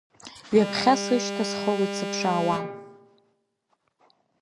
Ҩаԥхьа сышьҭа схылоит сыԥшаауа.